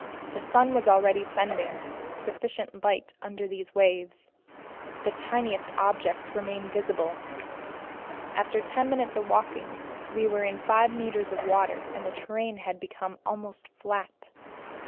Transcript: The sun was already sending sufficient light under these waves. The tiniest objects remained visible. After ten minutes of walking, we were in five meters of water, and the terrain had become almost flat.